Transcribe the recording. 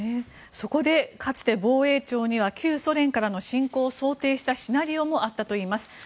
そこでかつて防衛庁には旧ソ連からの侵攻を想定したシナリオもあったといいます。